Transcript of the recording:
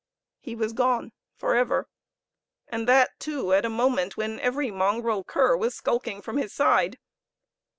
He was gone for ever! and that, too, at a moment when every mongrel cur was skulking from his side.